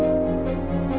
jangan gampang lah ya ya